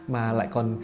mà lại còn